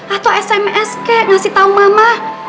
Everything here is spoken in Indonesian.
atau sms kek ngasih tahu mama